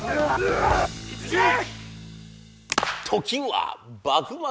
時は幕末。